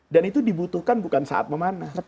dan itu dibutuhkan bukan saat memanah